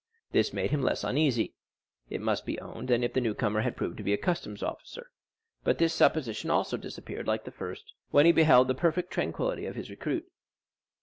This made him less uneasy, it must be owned, than if the new comer had proved to be a customs officer; but this supposition also disappeared like the first, when he beheld the perfect tranquillity of his recruit.